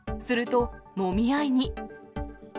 すると、もみ合いに。